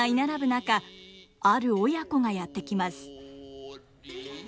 中ある親子がやって来ます。